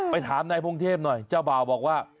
ถามนายพงเทพหน่อยเจ้าบ่าวบอกว่า